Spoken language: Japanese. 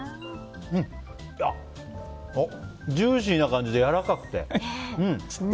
ジューシーな感じでやわらかくて。